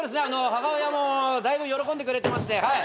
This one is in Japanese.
母親もだいぶ喜んでくれてまして。